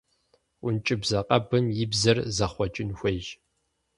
Ӏункӏыбзэ къэбым и бзэр зэхъуэкӏын хуейщ.